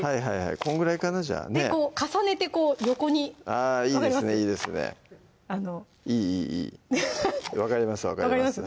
こんぐらいかなじゃあ重ねてこう横にあぁいいですねいいですねいいいいいい分かります分かります分かります？